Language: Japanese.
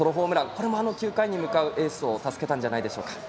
これも９回に向かうエースを助けたんじゃないんでしょうか。